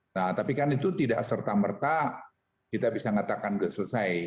nah tapi kan itu tidak serta merta kita bisa ngatakan sudah selesai